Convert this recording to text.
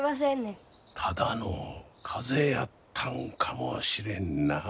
ただの風邪やったんかもしれんな。